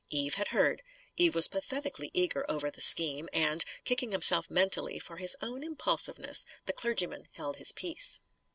Eve had heard. Eve was pathetically eager over the scheme. And, kicking himself mentally for his own impulsiveness, the clergyman held his peace.